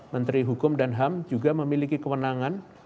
menteri hukum dan ham juga memiliki kewenangan